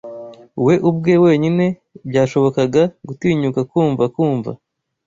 We ubwe wenyine Byashobokaga gutinyuka kumva kumva